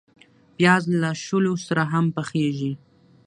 پیاز له شولو سره هم پخیږي